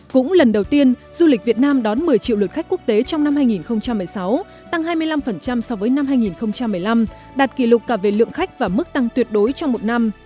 cũng lần đầu tiên du lịch việt nam đón một mươi triệu lượt khách quốc tế trong năm hai nghìn một mươi sáu tăng hai mươi năm so với năm hai nghìn một mươi năm đạt kỷ lục cả về lượng khách và mức tăng tuyệt đối trong một năm